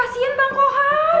kasian bang kohar